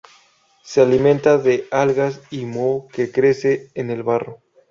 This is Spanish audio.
Se alimenta de algas y moho que crece en el barro.